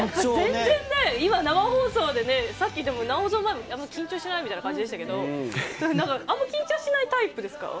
今、生放送で、さっきでも、生放送前、緊張しないみたいな感じでしたけれども、あまり緊張しないタイプですか？